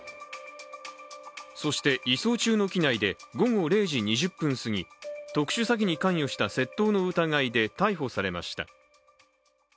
そして移送中の機内で午後０時２０分すぎ特殊詐欺に関与した窃盗の疑いで逮捕されました。